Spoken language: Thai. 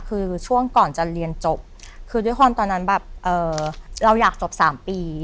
คือช่วงก่อนจะเรียนจบคือด้วยความตอนนั้นแบบเราอยากจบ๓ปี